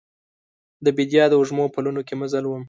د بیدیا د وږمو پلونو کې مزل وم